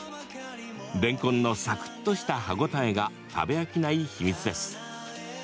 れんこんのサクっとした歯応えが食べ飽きない秘密です。